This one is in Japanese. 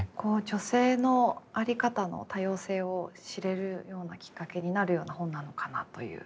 女性の在り方の多様性を知れるようなきっかけになるような本なのかなという。